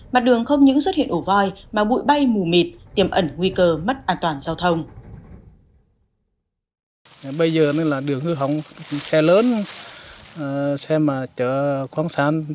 mặt đường không những xuất hiện ổ voi mà bụi bay mù mịt tiềm ẩn nguy cơ mất an toàn giao thông